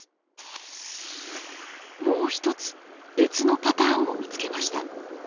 もう一つ別のパターンも見つけました。